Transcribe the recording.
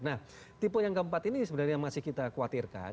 nah tipe yang keempat ini sebenarnya masih kita khawatirkan